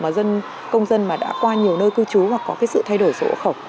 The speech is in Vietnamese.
mà công dân đã qua nhiều nơi cư trú hoặc có sự thay đổi sổ hộ khẩu